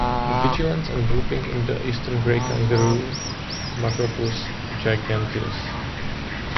"Vigilance and grouping in the eastern grey kangaroo, "Macropus giganteus".